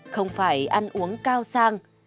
không phải ăn uống cao sang